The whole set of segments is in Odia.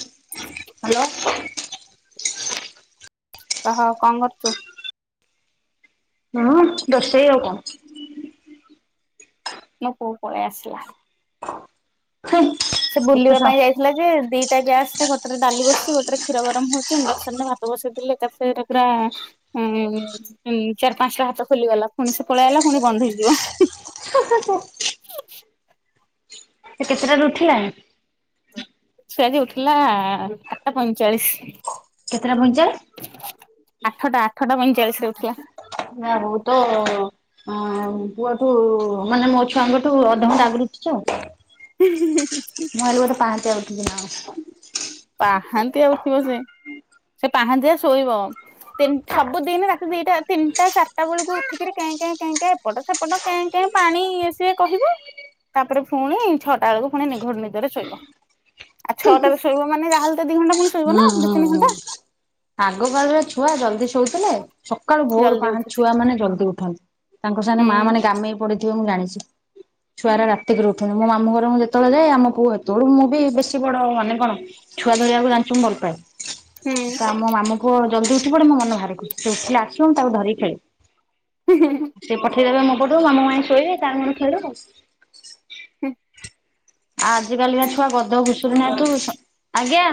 ହ୍ୟାଲୋ। କହ କଣ କରୁଛୁ? ହଁ ରୋଷେଇ ଆଉ କଣ। ମୋ ପୁଅ ପଳେଇ ଆସିଲା। ହେ ସେ ବୁଲିବା ଉଠୁସ ପାଇଁ ଯାଇ ଥିଲା ଯେ ଦିଟା ଗ୍ୟାସ୍ ରେ ଗୋଟେ ରେ ଡାଲି ବସୁଛି। ଗୋଟରେ କ୍ଷୀର ଗରମ ହଉଛି, ଇଣ୍ଡଡକ୍ସନ ରେ ଭାତ ବସେଇ ଦେଲେ ଏକାଥରକେ ପୁରା ଉଁ ଚାରି ପାଞ୍ଚଟା ହାତ ଖୋଲିଗଲା ପୁଣି ସେ ପଳେଇଲା ପୁଣି ବନ୍ଦ ହେଇଯିବ। [unintelligible] ସେ କେତେଟାରୁ ଉଠିଲା? ସିଏ ଆଜି ଉଠିଲା ଆଠଟା ପଇଁଚାଳିଶ। କେତେଟା ପଇଁଚାଳିଶ? ଆଠଟା ଆଠଟା ପଇଁଚାଳିଶରେ ଉଠିିଲା। ଯାହା ହଉ। ତୋ - - ହଁ ପୁଅଠୁ ମାନେ ମୋ ଛୁଆଙ୍କଠୁ ଅଧଘଣ୍ଟା ଆଗରୁ ଉଠିଛି ଆଉ। ହି- ହି- ହି- ହିଁ। ମୁଁ ଭାବିଲି ବୋଧେ ପାହାନ୍ତିଆ ଉଠିଛି ନା କଣ? ପାହାନ୍ତିଆ ଉଠିବ ସେ, ସେ ପାହାନ୍ତିଆ ଶୋଇବ। ସବୁ ଦିନ ରାତି ଦିଟା ତିନିଟା ଚାରିଟା ବେଳକୁ କେଁ -କେଁ -କେଁ -କେଁ ଏପଟ ସେପଟ କେଁ, କେଁ ପାଣି ଇଏ ସିଏ କହିବ ତାପରେ ପୁଣି ଛଅଟା ବେଳକୁ ପୁଣି ନିଘୋଡ଼ ନିଦରେ ଶୋଇବ। ଆଉ ଛଅଟାରେ ଶୋଇବ ମାନେ ଯାହା ହେଲେ ଦି ଘଣ୍ଟା ପୁଣି ଶୋଇବ ନା ହୁଁ, ଦି ହୁଁ, ତିନି ଘଣ୍ଟା ହୁଁ। ଆଗକାଳର ଛୁଆ ଜଲ୍ଦି ଶୋଉଥିଲେ ସକାଳୁ ଭୋରୁ ଜଲଦି ପା ଉଠୁଛି। ଛୁଆ ମାନେ ଜଲ୍ଦି ଉଠାନ୍ତି ତାଙ୍କ ହୁଁ ସାଙ୍ଗେ ମା ମାନେ ଗାମେଇ ପଡ଼ିଥିବେ ମୁଁ ଜାଣିଛି। ଛୁଆ ଗୁଡ଼ା ରାତି କରୁ ଉଠନ୍ତି, ମୋ ମାମୁଁ ଘର ମୁଁ ଯେତେବେଳେ ଯାଏ ଆମ ପୁଅ ସେତେବେଳେକୁ ମୁଁ ବି ବେଶୀ ବଡ଼ ମାନେ କଣ ଛୁଆ ଧରିବାକୁ ଜାଣିଛୁ ମୁଁ ଭଲ ପାଏ। ହୁଁ। ତ ଆମ ମାମୁ ପଅ ଜଲଦି ଉଠି ପଡ଼େ ମୋ ମନ ଭାରି ଖୁସି। ସେ ଉଠିଲେ ଆସିବ ମୁଁ ତାକୁ ଧରିକି ଖେଳବି। ସେପଟେ ସିଏ ରହିବ ମୋ ପଟକୁ ମାମୁ ମାଇଁ ଶୋଇବେ ତାର ମୋର ଖେଳୁ ହୁଁ। ଆଜି କାଲିିକା ଛୁଆ ଗଧ ଘୁଷୁରୁ ନାଁ ତୁ ସ ଆଜ୍ଞା।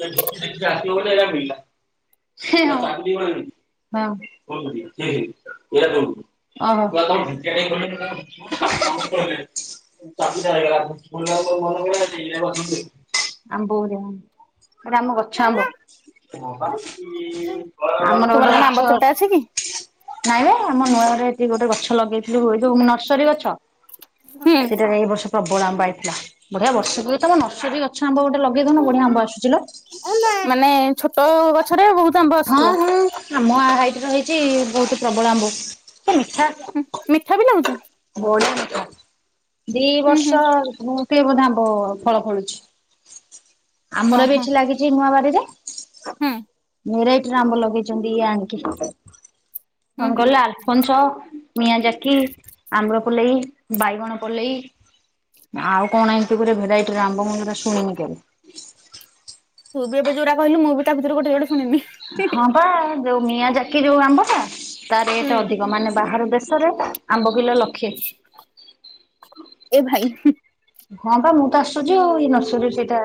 ସେଠି ଆସିବ ଏଟା ମିଳିଲା [unintelligible] ହଁ [unintelligible] [unintelligible] [unintelligible] ଆମ ବୋଉ ହେରୀଆ। ଏଟା ଆମ ଗଛ ଆମ୍ବ। ଆମର ତୁମର ଗୋଟେ କଣ ଆମ୍ବ ଗଛ ତୋଟା ଅଛି କି? ନାଇଁ ବେ ଆମ ନୂଆ ଘରେ ଏଠି ଗୋଟେ ଗଛ ଲଗେଇଥିଲି ହୁଏ ଯୋଉ ନର୍ସରୀ ଗଛ। ହୁଁ। ସେଟାରେ ଏଇ ବର୍ଷ ପ୍ରବଳ ଆମ୍ ଆଇଥିଲା। ବଢିଆ ବର୍ଷ କୁ ତମ ନର୍ସରୀ ଗଛ ଆମ୍ବ ଗୋଟେ ଲ ଲଗେଇ ଦଉନୁ ବଢିଆ ଆମ୍ବ ଆସୁଚି ଲୋ। ମାନେ ଛୋଟ ଗଛରେ ବହୁତ ଆମ୍ବ ହଁ ଆସୁଥିବ। ହଁ ଆମ ହାଇଟ ର ହେଇଛି ବହୁତ ପ୍ରବଳ ଆମ୍ବ ଏ ମିଠା। ହୁଁ ମିଠା ବି ଲାଗୁଚି। ବଢ଼ ଦି ହୁଁ ହୁଁ ବର୍ଷ ମୁ ଟେ ବୋଧେ ଆମ୍ବ ଫଳ ଫଳୁଛି ଆମର ବି ଓହୋ ଏଠି ଲାଗିଚି ନୂଆ ବାରିରେ ହୁଁ। ଭେରାଇଟିର ଆମ୍ବ ଲଗେଇଛନ୍ତି ଇଏ ଆଣିଙ୍କି କଣ ହୁଁ ହୁଁ କାଇଲେ ଆଲ୍ ପଞ୍ଚୋ, ମିଆ ଜାକି, ଆମର ପଲେଇ, ବାଇଗଣ ପଲେଇ ଆଉ କଣ ଏମିତି ଗୁରେ ଭେରାଇଟିର ଆମ୍ବ ମୁଁ ଯୋଟା ଶୁଣିନି କେବେ। ତୁ ବି ଏବେ ଯଉଟା କହିକୁ ମୁଁ ବି ତା ଭିତରୁ ଗୋଟେ ଯୋଡ଼େ ଶୁଣିନି। ହଁ ବା ଯୋଉ ମିଆ ଜାକି ଯୋଉ ଆମ୍ବଟା ତା ହୁଁ ରେଟ ଅଧିକ ମାନେ ବାହାର ଦେଶ ଦେଶ ରେ ଆମ୍ବ କିଲୋ ଲକ୍ଷେ। [inaudible] ଏ ଭାଇ ହୁଁ। ହଁ ବା ମୁଁ ତ ଆଶ୍ଚର୍ଯ୍ୟ ଆଉ ଏଇ ନର୍ସରୀରୁ ସେଇଟା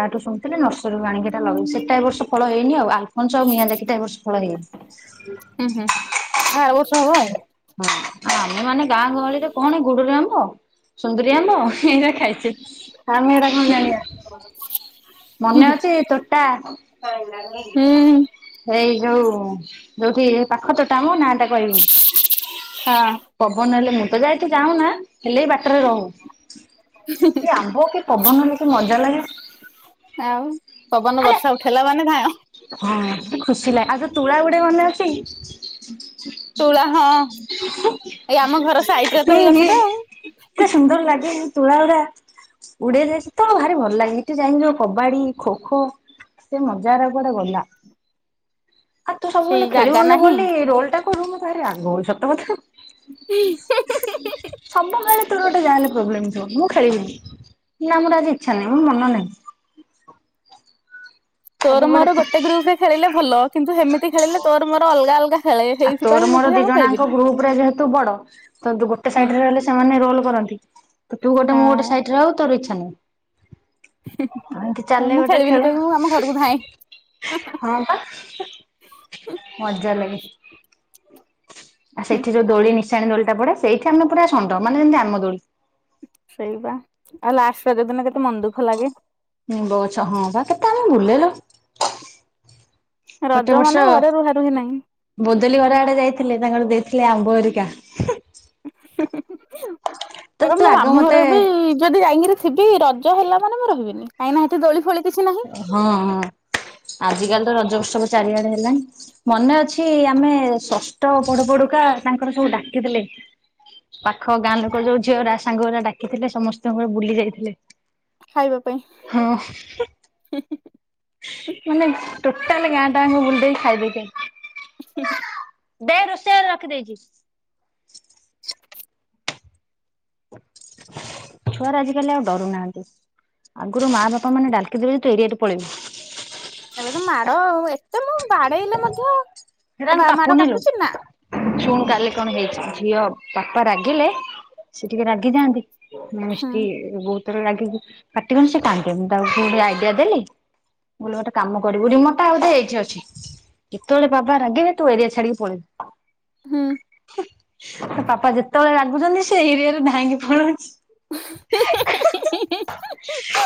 କାଠୁ ଶୁଣିଥିଲେ ନର୍ସରୀ ଆଣିକି ଲଗେଇ ସେଇଟା ଏ ବର୍ଷ ଫଳ ହେଇନି ଆଲଫନଚ ମିଆଁ ଜାକିଟା ଏ ବର୍ଷ ଫଳ ହେଇନି। ଆଛା। ହୁଁ ହୁଁ ଏ ଆର ବର୍ଷ ହବ ଆଉ। ହଁ ଆମେ ମାନେ ଗାଁ ଗହଳିରେ କଣ ଗୁଡୁରି ଆମ୍ବ ସୁନ୍ଦୁରି ଆମ୍ବ ଏଇରା ଖାଇଚେ। ଆମେ ଏଇଟା କଣ ଜାଣିବା ମନେ ଅଛି ତୋଟା ହୁଁ। ଏଇ ଯୋଉ ଯୋଉଠି ଏ ପାଖ ତୋଟା ମ ନାଟା କହିବି। ହଁ ପବନହଲେ ମୁଁ ତ ଯାଏ ତୁ ଯାଉନା ହେଲେ ବି ବାଟରେ ରହୁ। କି ଆମ୍ବ କି ପବନ ହେଲେ କି ମଜା ଲାଗେ। ଆଉ ପବନ ଆଲୋ ବର୍ଷା ଉଠେଇଲା ମାନେ ଧାଆଁ ହଁ ଖୁସି ଲାଗେ ଆଉ ଯୋଉ ତୁଳା ଗୁଡ଼ି ମନେ ଅଛି। ତୁଳା ହଁ ଏଇ ଆମ ଘର ସାଇଟରେ ତ ହିଁ ହେଇ ହିଁ ଗଛଟା ଏତେ ଆଉ। ସୁନ୍ଦର ଲାଗେନି। ତୁଳା ଗୁଡା ଉଡେଇ ଯାଇଚି ତ ଭାରି ଭଲ ଲାଗେ ଏଇଠି ଯାଇକି ଯୋଉ କବାଡି ଖୋ ଖୋ ସେ ମଜାର କୁଆଡେ ଗଲା। ଆଉ ତୁ ସେଇ ସବୁବେଳେ ଜାଗା ଖେଳିବୁନି ନାହିଁ ବୋଲି ରୋଲ ଟା କରୁ ମତେ ଭାରି ରାଗ ହୁଏ ସତ କଥା। ହିଁ ସବୁବେଳେ ତୋର ଗୋଟେ ଯାହେଲେ ପ୍ରୋବ୍ଲେମ ଥିବ ମୁଁ ଖେଳିବିନି। ନା ମୋର ଆଜି ଇଚ୍ଛା ନାହିଁ ମନ ନାହିଁ। ତୋର ମୋର ସବୁବେଳେ ଗୋଟେ ଗ୍ରୁପ ରେ ଖେଳିଲେ ଭଲ କିନ୍ତୁ ହେମିତି ଖେଳିଲେ ତୋର ମୋର ଅଲଗା ଅଲଗା ଖେଳେ ଆଉ ହେଇ ତୋର ମୋର ଦି ଜଣାଙ୍କ ଗ୍ରୁପରେ ଯେହେତୁ ବଡ ତ ଗୋଟେ ହୁଁ ସାଇଡରେ ରହିଲେ ସେମାନେ ରୋଲ କରନ୍ତି। ତୁ ଗୋଟେ ମୁଁ ଗୋଟେ ସାଇଡ ରେ ହଉ ତୋର ଇଚ୍ଛା ନାଇ। ଏମିତି ହଁ ଚାଲେ ମୁଁ ଗୋଟେ ଖେଳିବିନି ଖେଳ। କହିବି ମୁଁ ଆମ ଘରକୁ ଧାଏଁ ହଁ ବା ମଜା ଲାଗେ। ଆ ହୁଁ ସେଠି ଯୋଉ ଦୋଳି ନିଶାଣି ଦୋଳିଟା ପଡେ ସେଇଠି ଆମେ ପୁରା ଷଣ୍ଡ ମାନେ ଯେମିତି ଆମ ଦୋଳି। ସେଇବା ଆଉ ଲାଷ୍ଟ ରଜ ଦିନ କେତେ ମନ ଦୁଃଖ ଲାଗେ। ନିମ୍ବ ଗଛ ହଁ ବା କେତେ ଆମେ ବୁଲେ ଲୋ। ରଜ ଗୋଟେ ମାନେ ବର୍ଷ ଘରେ ରୁହା ରୁହି ନାହିଁ। ବଦେଲି ଘର ଆଡେ ଯାଇଥିଲେ ତାଙ୍କର ଦେଇଥିଲେ ଆମ୍ବ ହେରିକା। ହୁଁ ହୁଁ ହୁଁ ହୁଁ ତ ମୋର ତୁ ମୁଁ ଆଗ ମାମୁଁ ଘରେ ମତେ ବି ଯଦି ଯାଇକିରି ଥିବି ରଜ ହେଲା ମାନେ ମୁଁ ରହିବିନି କାହିଁକି ନା ସେଠି ଦୋଳି ଫୋଳି କିଛି ନାହିଁ। ହଁ ହଁ ଆଜିକାଲି ତ ରଜ ଉତ୍ସବ ଚାରିଆଡେ ହେଲାଣି। ମନେ ଅଛି ଆମେ ଷଷ୍ଠ ପଢୁ ପଢୁକା ତାଙ୍କର ସବୁ ଡାକିଦେଲେ ପାଖ ଗାଁ ଲୋକ ଯୋଉ ଝିଅ ଗୁରା ସାଙ୍ଗଗୁରା ଡାକିଥିଲେ ସମସ୍ତଙ୍କ ଘର ବୁଲି ଯାଇଥିଲେ। ଖାଇବା ପାଇଁ ହଁ। ମାନେ ଟୋଟାଲ ଗାଁଟା ଯାଙ୍କ ବୁଲି ଦେଇକି ଖାଇଦେଇକି ଉଁ ହୁଁ ହୁଁ। ଦେ ରୋଷେଇ ଘରେ ରଖିଦେଇଛି। ଛୁଆଗୁରା ଆଜିକାଲି ଆଉ ଡରୁ ନାହାନ୍ତି ଆଗୁରୁ ମାଆ ବାପା ମାନେ ଡାଲ୍କି ଦେଲେ ତୁ ଏରିଆଟେ ପଳେଇବୁ। ଏବେ ତ ମାଡ଼ ଆଉ ଏତେ ମୁଁ ବାଡେଇଲେ ମଧ୍ୟ ସେଗୁରାଙ୍କୁ ବା ମାଡ କାପୁ ନି ଲୋ। କାଟୁଛି ନା ଶୁଣୁ କାଲି କଣ ହେଇଛି ଝିଅ ବାପା ରାଗିଲେ ସେ ଟିକେ ରାଗି ଯାଆନ୍ତି ହୁଁ ମିଷ୍ଟି ବହୁତ ଥର ରାଗିକି ପାଟିକଲେ ସେ କାନ୍ଦେ ମୁଁ ତାକୁ ଗୋଟେ ଆଇଡିଆ ଦେଲି ମୁଁ କହିଲି ଗୋଟେ କାମ କରିବୁ ରିମୋଟ୍ ଟା ବୋଧେ ଏଇଠି ଅଛି। ଯେତେବେଳେ ବାବା ରାଗିବେ ତୁ ଏରିଆ ଛାଡିିକି ପଳେଇବୁ। ହୁଁ। ତା ପାପା ଯେତେବେଳେ ରାଗୁଛନ୍ତି ସିଏ ଏରିଆରୁ ଧାଇଁକି ପଳଉଛି।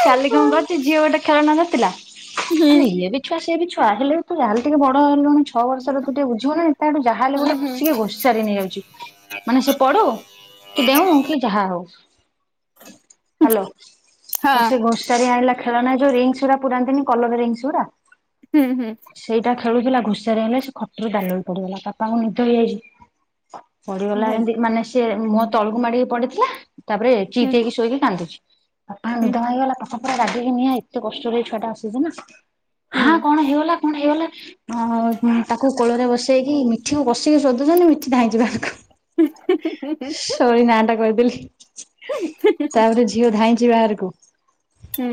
କାଲି କଣ କରିଛି ଝିଅ ଗୋଟେ ଖେଳନା ଧରିଥିଲା ମାନେ ଇଏ ବି ଛୁଆ ସିଏ ବି ଛୁଆ ହେଲେ ବି ତୁ ଯା ହେଲେ ଟିକେ ବଡ ହେଲୁଣି ଛଅ ବର୍ଷର ତୁ ଟିକେ ବୁଝିବୁ ନା ନାଇଁ। ତାଠୁ ଯାହାହେଲେ ହଁ ଗୋଟେ କସିକି ଘୋଷାରିକି ନେଇଯାଉଛି ମାନେ ସେ ପଡୁ କି ଡେଉଁ କି ଯାହାହଉ ହ୍ୟାଲୋ ତ ସେ ଘୋଷାରି ଆଣିଲା ଖେଳନା ଯୋଉ ରିଙ୍ଗସ୍ ଗୁରା ପୁରାନ୍ତିନି କଲର୍ ରିଙ୍ଗସ୍ ଗୁରା ହୁଁ ହୁଁ। ସେଇଟା ଖେଳୁଥିଲା ଘୋଷାରି ଆଣିଲା ସେ ଖଟରୁ ଦାଲୋକି ପଡିଗଲା ବାପାଙ୍କୁ ନିଦ ହେଇଯାଇଛି ପଡିିଗଲା ଭାଇ ଯେଏନ୍ତି ମାନେ ସିଏ ମୁହଁ ତଳୁକୁ ମାଡି ହେଇକି ପଡିଥିଲା ତାପରେ ହୁଁ ଚିତ୍ ହେଇକି ଶୋଇକି କାନ୍ଦୁଚି। ବାପା ଙ୍କ ହୁଁ ନିଦ ହୁଁ। ଭାଙ୍ଗିଗଲା ବାପା ପୁରା ରାଗିକି ନିଆଁ ଏତେ କଷ୍ଟରେ ଏ ଛୁଆଟା ଆସିଛି ନା ହୁଁ ହାଁ କଣ ହେଇଗଲା କଣ ହେଇଗଲା ଆଉ ଉଁ ତାକୁ କୋଳରେ ବସେଇକି ମିଠି କୁ କଷିକି ଶୋଧୁଛନ୍ତି ମିଠି ଧାଇଁଚି ବାହରକୁ। ଉଁ ହୁଁ ହୁଁ ହୁଁ ହୁଁ। ସରି ନାଁ ଟା କହିଦେଲି ତାପରେ ଝିଅ ଧାଇଁଛି ବାହାରକୁ।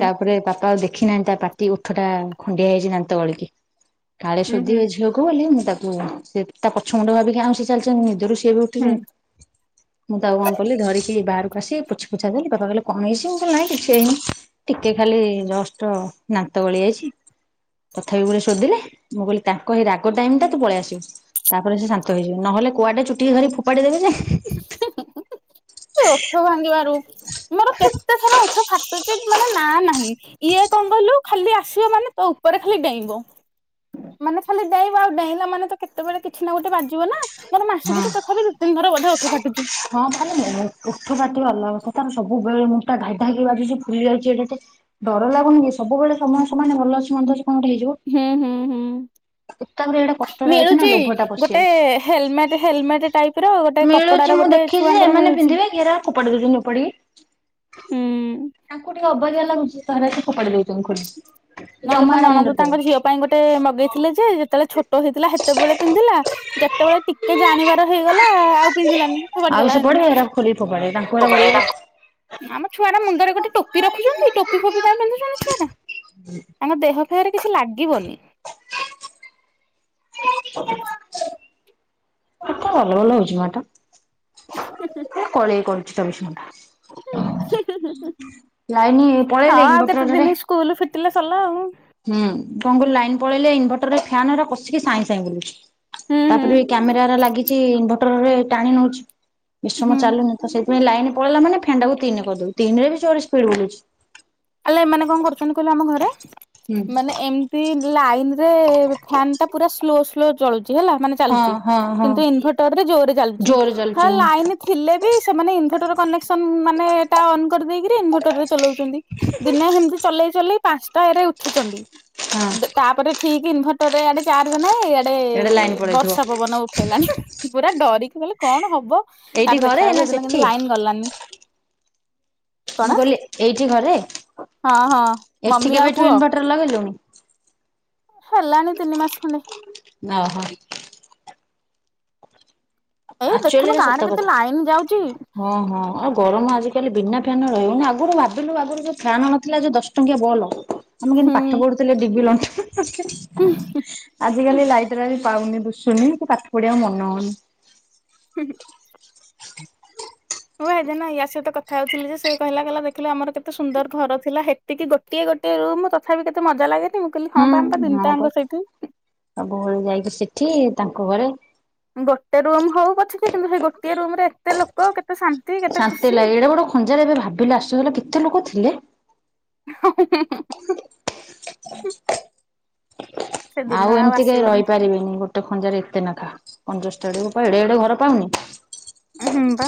ତାପରେ ବାପା ଆଉ ଦେଖି ନାହାନ୍ତି ତା ପାଟି ଓଠ ଟା ଖଣ୍ଡିଆ ହେଇଛି ଦାନ୍ତ ଗଳିକି। କାଳେ ହୁଁ ହୁଁ ଶୋଧିବେ ଝିଅକୁ ବୋଲି ମୁଁ ତାକୁ ସେ ତା ପଛ ମୁୁଣ୍ଡ ଭାବିକି ଆଉଁସି ଚାଲିଚନ୍ତି ନିଦରୁ ସି ବି ହୁଁ ଉଠିଛନ୍ତି। ମୁଁ ତାକୁ କଣ କଲିି ଧରିକି ବାହାରକୁ ଆସିି ପୋଛି ପୁଛା ଦେଲିି ବାପା କହିଲେ କଣ ହେଇଛି ମୁଁ କହିଲି ନାଇଁ କିଛି ହେଇନି। ଟିକେ ଖାଲି ଜଷ୍ଟ ଦାନ୍ତ ଗଳି ଯାଇଛି। ତଥାପି ଗୁରେ ଶୋଧିଲେ ମୁଁ କହିଲି ତା କହେ ରାଗ ଟାଇମ୍ ଟା ତୁ ପଳେଇଆସିବୁ ତାପରେ ସେ ଶାନ୍ତ ହେଇଯିବେ ନହେଲେ କୁଆଡେ ଚୁଟିକି ଧରି ଫୋପାଡ଼ି ଦେବେ ଯେ ହୁଁ ହୁଁ ହୁଁ ହୁଁ ସେ ଓଠ ଭାଙ୍ଗିବାରୁ ମୋର କେତେ ଥର ଓଠ ଫାଟୁଛି ମାନେ ନା ନାହିଁ। ଇଏ କଣ କହିଲୁ ଖାଲି ଆସିବ ମାନେ ତୋ ଉପରେ ଖାଲି ଡେଇଁବ। ମାନେ ଖାଲି ଡେଇଁବ ଆଉ ଡେଇଁଲା ମାନେ ତ କେତେବେଳେ କିଛି ନା ଗୋଟେ ବାଜିବ ନା। ମୋର ହଁ। ମାସକୁ ତ ତଥାପି ଦି ତିିନି ଥର ବୋଧେ ଓଠ ଫାଟୁଛି। ହଁ ମାନେ ଉଠୁ ଫାଟିବା ଅଲଗା କଥା ତାର ସବୁବେଳେ ମୁଁଣ୍ଡଟା ଢ଼ାଇ ଢ଼ାଇକିରି ବାଜିୁଚି ଫୁଲି ଯାଇଚି ଏଡେଟେ। ଡର ଲାଗୁନି କି ସବୁବଳେ ସମୟ ସମାନ ଭଲ ଅଛି ମନ୍ଦ ଅଛି କଣ ଗୋଟେ ହେଇଯିବ। ହୁଁ ହୁଁ ହୁଁ। ଏକାମ୍ରେ ହେଇଟା କଷ୍ଟ ହେଇଚି ନା ଲୋଭ ଟା ପଶି ଯାଇଛି। Helmet helmet type. ର ଗୋଟେ ମିଳୁଛି କପଡାର ମୁଁ ଗୋଟେ ଦେଖିଛି ଯେ ଛୁଆଙ୍କର ଏମାନେ ମିଳୁଛି। ପିନ୍ଧିବେ ଘେରା ଫୋପାଡି ଦଉଛନ୍ତି ଉପାଡିକି। ହୁଁ। ତାଙ୍କୁ ଟିକେ ଅବାଗିଆ ଲାଗୁଚି ସାରେ ଆସିକି ଫୋପାଡି ଦଉଚନ୍ତି ଖୋଲିକି। ନହଲେ ଜମା ମୋ ହେରା ନଣନ୍ଦ ମୁଣ୍ଡରେ ତାଙ୍କ ଦଉନି। ଝିଅ ପାଇଁ ଗୋଟେ ମଗେଇଥିଲେ ଯେ ହେତବଳେ ଛୋଟ ହେଇଥିଲା ହେତବଳେ ପିନ୍ଧିଲା। ଯେତବଳେ ଟିକେ ଜାଣିବାର ହେଇଗଲା ଆଉ। ପିନ୍ଧିଲାନି ଆଉ ଫୋପାଡିଦେଲା ସେ ହେଣୁ ପଡେ ଏରା ଖୋଲିକି ଫୋପାଡେ ତାଙ୍କୁ ଏରା ଭଲ ଲାଗେ ଫୋପାଡିଦେଲା। ଆମ ଛୁଆଟା ମୁଣ୍ଡରେ ଗୋଟେ ଟୋପି ରଖୁଚନ୍ତି ଟୋପି ଫୋପି କାଇଁ ପିନ୍ଧୁଚନ୍ତି ଛୁଆଟା। ହୁଁ। ତାଙ୍କ ଦେହ ଫେହରେ କିଛି ଲାଗିବନି। କିଛି କରିବ। କେତେ ବଲ ବଲ ହଉଚି ମ ଏଟା। [unintelligible] ଏ କଳେଇ କରୁଚି ଚବିଶି ଘଣ୍ଟା। [unintelligible] ଲାଇନି ପଳେଇଲେଣି ଇନଭଟରରେ। ସ୍କୁଲୁ ଫିଟିଲେ ସର୍ଲା ଆଉ। ହୁଁ କଣ କହିଲୁ ଲାଇନ ପଳେଇଲେ ଇନଭର୍ଟରରେ ଫ୍ୟାନ୍ ଗୁରା କଷିକି ସାଇଁ ସାଇଁ ବୁଲୁଛି। ହୁଁ ହୁଁ ତାପରେ କ୍ୟାମେରାରା ଲାଗିଛି ଇନଭଟରରେ ଟାଣି ନଉଛି ବେଶୀସମ ହୁଁ। ଚାଲୁନି ତ ସେ ମାନେ ଲାଇନ୍ ପଳେଇଲା ମାନେ ଫ୍ୟାନ୍ଟାକୁ ତିନି କରଦେଉ ତିନିରେ ବି ସେ ଗୋଟେ ସ୍ପିଡ଼୍ ବୁଲୁଛି। ଆଲୋ ଏମାନେ କଣ କରୁଛନ୍ତି କହିଲୁ ଆମ ଘରେ ହୁଁ ମାନେ ଏମ୍ ତି ଲାଇନ୍ ରେ ଫ୍ୟାନ୍ ଟା ପୁରା ସ୍ଲୋ ସ୍ଲୋ ଚଳୁଚି ହେଲା ମାନେ। ଚାଲୁଚି ହଁ ହଁ ହଁ କିନ୍ତୁ ଇନଭଟର୍ରେ ଜୋରେ ଚାଲୁଚି ଜୋରେ ହା ଚାଲିଛି ହଁ। ଲାଇନି। ଥିଲେ ବି ସେମାନେ ଇନଭେଟର କନେକ୍ସନ ମାନେ ଏଟା ଅନ୍ କରିଦେଇକିରି ଇନଭଟରରେ ଚଲଉଚନ୍ତି। ଦିନେ ହେମ୍ତି ଚଲେଇ ଚଲେଇ ପାଂଶଟା ଏରେ ଉଠିଚନ୍ତି ହଁ ଦେ ତାପରେ ଠିକି ଇନଭର୍ଟର ରେ ଆଡେ ଚାର୍ଜ ନାହିଁ ଇଆଡେ ଏଇଟା ଲାଇନ ପଳେଇଥିବ ବର୍ଷା ପବନ ଉ ହେଲାନି ପୁରା ଡରିକି ବୋଇଲେ କଣ ହବ ତାର ଏଇଠି ଘରେ ଦେଖିଲାବଳକୁ ନା ସେଦିନ କେମ୍ତି ସେଠି? ଲାଇନ୍ ଗଲାନି। କଣ ମୁଁ କହିଲି ଏଇଠି ଘରେ ହଁ ହଁ ଏଠି ମମି ଆଉ କେବେଠୁ ପୁଅ। ଇନଭର୍ଟର ଲଗେଇଲୁଣି? ହେଲାଣି ତିନି ମାସ୍ ଖଣ୍ଡେ। ଆହା। ଏଇ ଦେଖୁନୁ ଆକ୍ଚୁଆଲିରେ ଗାଁ ସତ ରେ କେତେ କଥା। ଲାଇନ୍ ଯାଉଚି। ହଁ ହଁ ଆଉ ଗରମ ଆଜିକାଲି ବିନା ଫ୍ୟାନ୍ ରେ ରହିହଉନି ଆଗୁରୁ ଭାବିଲୁ ଆଗୁରୁ ଯୋଉ ଫ୍ୟାନ୍ ନଥିଲା ଯୋଉ ଦଶ। ଟଙ୍କିଆ ବଲ ଆମେ ହୁଁ। କେନ୍ତି ପାଠ ପଢୁଥିଲେ ଡିବି ଲଣ୍ଠନ ରେ। ଆଜିକାଲି ଲାଇଟିରା ବି ପାଉନି ଦୁଷୁନି କି ପାଠ ପଢିବାକୁ ମନ ହଉନି। ହୁଁ ହୁଁ। ମୁଁ ପା ହେଦିନ ୟା ସହିତ କଥା ହଉଥିଲି ଯେ ସେ କହିଲା କହିଲା ଦେଖିଲୁ ଆମର କେତେ ସୁନ୍ଦର୍ ଘର ଥିଲା ହେ ଟିକେ ଗୋଟିଏ ଗୋଟଏ ରୁମ୍ ତଥାବି କେତେ ମଜା ଲାଗେନି। କହିଲି ହଁ ପା ଆମେ ହୁଁ ହଁ ତିନିଟାଙ୍କ ପା ସେଇଠି ସବୁବଳେ ଯାଇକି ସେଠି ତାଙ୍କ ଘରେ। ଗୋଟେ ରୁମ୍ ହଉ ପଛେକେ କିନ୍ତୁ ହେଇ ଗୋଟିଏ ରୁମ୍ ରେ ଏତେ ଲୋ କ କେତେ ଶା ଶାନ୍ତି ଲାଗେ ଏଡେ ବଡ ଖଞ୍ଜାରେ ଏବେ ଭାବିଲେ ଆଶ୍ଚର୍ଯ୍ୟ ଲାଗେ କେତେ ଲୋକ ଥିଲେ। ହଁ ହଁ ହଁ ହଁ ହଁ। ସେ ଦିନ ଆଉ ଏମିତି କେହି ଆସିବନି ରହିପାରିବିନି ଗୋ ଟ ଖଞ୍ଜାରେ ଏତେ ନେଖା କଙ୍କଷ୍ଟବଡେକୁ ପା ଏଡେ ଏଡେ ଘର ପାଉନି [unintelligible] ହୁ ବା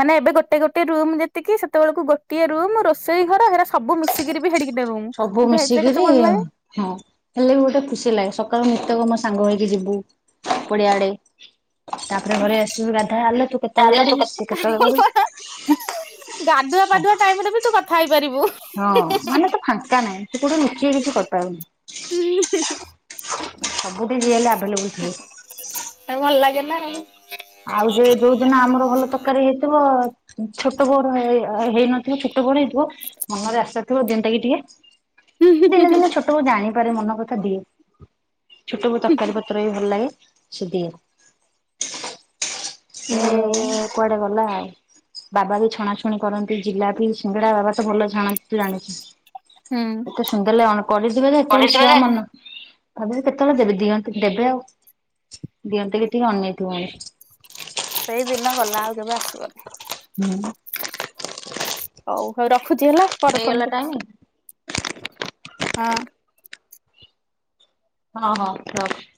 ମାନେ ଏବେ ଗୋଟେ ଗୋଟେ ରୁମ ଯେତିକି ସେତେବେଳକୁ ଗୋଟଏ ରୁମ ରୋଷେଇ ଘର ହେରା ସବୁ ମିଶିକି ବି ହେଡିକି ଗୋଟେ ରୁମ ସବୁ କିନ୍ତୁ ହେଇଥିରେ ମିଶିକିରି କେତେ ଭଲ ଲାଗେ ହଁ ହେଲେ ବି ଗୋଟେ ଖୁସି ଲାଗେ ସକାଳୁ ନିତ୍ୟ ମୋ ସାଙ୍ଗ ହେଇକି ଯିବୁ ପଡ଼ିଆ ଆଡ଼େ ତାପରେ ଘରେ ଆସିବୁ ଗାଧାହେଲେ ତୁ କେତେବେଳେ କରିବୁ ସିଏ କେତେବେଳେ କରିବୁ ଗାଧୁଆ ପାଧୁଆ ଟାଇମ ରେ ବି ତୁ କଥା ହେଇପାରିବୁ ହଁ ମାନେ ତ ଫାଙ୍କା ନାହିଁ ସେ କୋଉଠି ଲୁଚେଇ କିଛି କରିପାରୁବୁନି ହୁଁ ସବୁଠୀ ଯିଏ ହେଲେ ଆଭେଲେବୁଲ ଥିବେ ଆଉ ଭଲ ଲଗିଲା ଆଉ ଆଉ ଯେ ଯୋଉ ଦିନ ଆମର ଭଲ ତରକାରୀ ହେଇଥିବ ଛୋଟ ଭୋର ହେଇନଥିବ ଛୋଟ ବଡ ହେଇଥିବ ମନରେ ଆଶା ଥିବ ଦିଅନ୍ତା କିି ଟିକେ ଦିନେ ଦିନେ ଛୋଟ ତୁ ଜାଣିପାରି ମନ କଥା ଦିଏ ଛୋଟ କୁ ତରକାରୀ ପତ୍ର ବି ଭଲ ଲାଗେ ସେ ଦିଏ ସେ ହୁଁ। କୁଆଡେ ଗଲା ଆଉ ବାବା ବି ଛଣାଛଣି କରନ୍ତି ଜିଲାପି ସିଙ୍ଗଡା ବାବା ତ ଭଲ ଛାଣନ୍ତି ତୁ ଜାଣିଛୁ ହୁଁ ଶୁଣିଲେଣି କରିଦେ ଯେ ଯେତେବେଳେ ଛୁଆ ମାନ [unintelligible] ତା ପରେ କେତେବେଳେ ଦେବେ ଦିଅନ୍ତୁ ଦେବେ ଆଉ ଦିଅନ୍ତୀ କି ଟିକେ ଅନେଇଥିବଣି ସେଇ ଦିନ ଗଲା, ଆଉ କେବେ ଆସିବନି ହୁଁ। ହଉ ରଖୁଛି ହେଲା। ପରେ ଫୋନ ହେଇଗଲା କରୁଛି ଟାଇମ, ହଁ। ହଁ, ହଁ ରହୁଛି